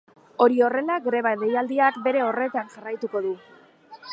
Hori horrela, greba deialdiak bere horretan jarraituko du.